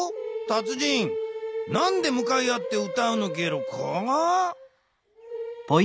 達人何でむかい合って歌うのゲロか？